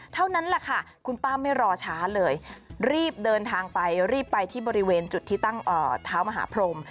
เท่านั้นแหละค่ะคุณป้าไม่รอช้าเลยรีบเดินทางไปรีบไปที่บริเวณจุดที่ตั้งเท้ามหาพรม